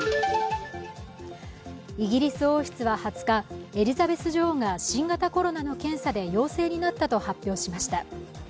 イギリス王室は２０日、エリザベス女王が新型コロナの検査で陽性になったと発表しました。